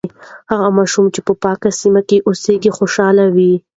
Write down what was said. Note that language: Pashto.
هغه ماشوم چې په پاکه سیمه کې اوسیږي، خوشاله وي.